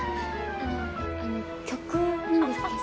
あのあの曲なんですけど。